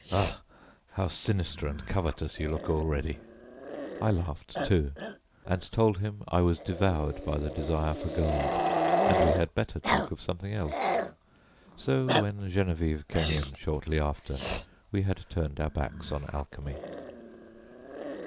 Ah! how sinister and covetous you look already!" I laughed too, and told him I was devoured by the desire for gold, and we had better talk of something else; so when Geneviève came in shortly after, we had turned our backs on alchemy.